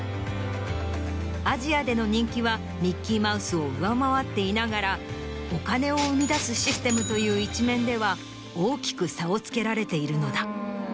アジアでの人気はミッキーマウスを上回っていながらお金を生み出すシステムという一面では大きく差をつけられているのだ。